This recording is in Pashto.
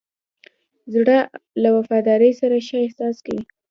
زړه له وفادارۍ سره ښه احساس کوي.